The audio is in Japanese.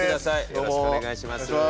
よろしくお願いします。